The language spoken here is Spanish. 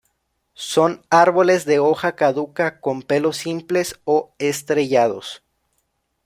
Son árboles de hoja caduca con pelos simples o estrellados.